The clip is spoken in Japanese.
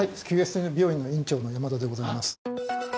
ＱＳＴ病院の院長の山田でございます。